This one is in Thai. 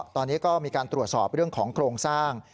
ตอนนี้ก็มีการตรวจสอบเรื่องของโครงสร้าง